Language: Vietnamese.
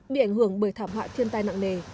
bị ảnh hưởng bởi thảm họa thiên tai nặng nề